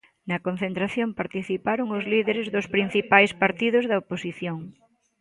Na concentración participaron os líderes dos principais partidos da oposición.